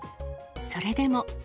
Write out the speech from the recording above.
それでも。